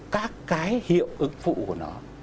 các cái hiệu ứng phụ của nó